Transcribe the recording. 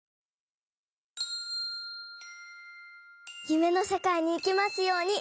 ゆめのせかいにいけますように。